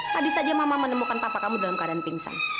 tadi saja mama menemukan papa kamu dalam keadaan pingsan